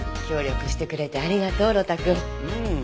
協力してくれてありがとう呂太くん。